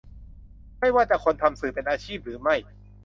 ไม่ว่าจะคนทำสื่อเป็นอาชีพหรือไม่